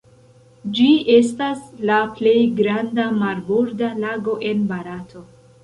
Ĝi estas la plej granda marborda lago en Barato.